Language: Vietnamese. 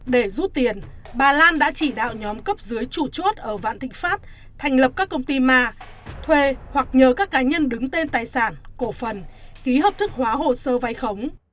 để rút tiền bà lan đã chỉ đạo nhóm cấp dưới chủ chốt ở vạn thịnh pháp thành lập các công ty ma thuê hoặc nhờ các cá nhân đứng tên tài sản cổ phần ký hợp thức hóa hồ sơ vay khống